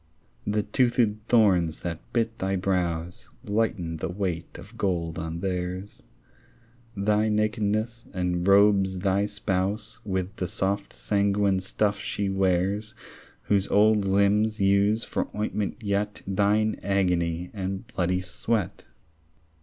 The toothèd thorns that bit thy brows Lighten the weight of gold on theirs; Thy nakedness enrobes thy spouse With the soft sanguine stuff she wears Whose old limbs use for ointment yet Thine agony and bloody sweat.